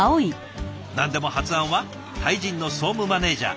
何でも発案はタイ人の総務マネージャー。